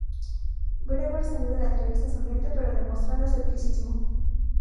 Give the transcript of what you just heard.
Brewer salió de la entrevista sonriente pero demostrando escepticismo.